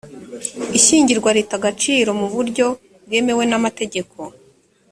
ishyingirwa rita agaciro mu buryo bwemewe n’amategeko